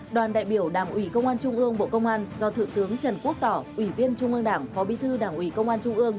đoàn đại biểu đảng ủy công an trung ương bộ công an do thượng tướng trần quốc tỏ ủy viên trung ương đảng phó bí thư đảng ủy công an trung ương